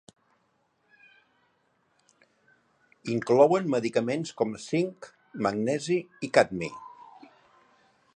Inclouen medicaments com zinc, magnesi i cadmi.